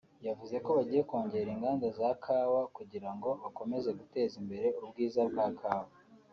yavuze ko bagiye kongera inganda za kawa kugira ngo bakomeze guteza imbere ubwiza bwa kawa